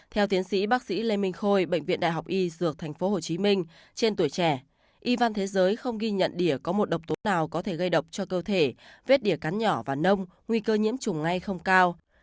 theo tiến sĩ bác sĩ lê minh khôi bệnh viện đại học y dược tp hcm trên tuổi trẻ y văn thế giới không ghi nhận đỉa có một độc tố nào có thể gây độc cho cơ thể vết đỉa cắn nhỏ và nông nguy cơ nhiễm trùng ngay không cao